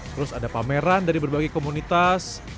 terus ada pameran dari berbagai komunitas